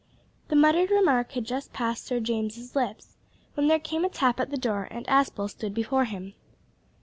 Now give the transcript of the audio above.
The muttered remark had just passed Sir James's lips when there came a tap at the door, and Aspel stood before him.